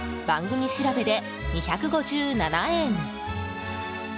番組調べで２５７円。